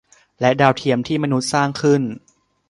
และดาวเทียมที่มนุษย์สร้างขึ้น